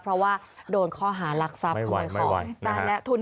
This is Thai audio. เพราะว่าโดนข้อหารักษัพ